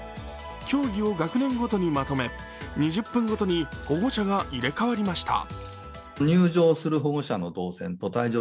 競技を学年ごとにまとめ２０分ごとに保護者が入れ代わりました。